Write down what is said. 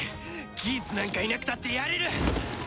ギーツなんかいなくたってやれる！